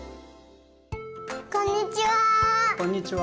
こんにちは。